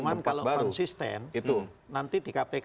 cuman kalau konsisten itu nanti di kpk